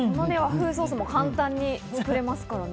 和風ソースも簡単に作れますからね。